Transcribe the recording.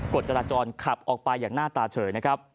กฎจราจรขับออกไปอย่างหน้าตาเฉยนะครับ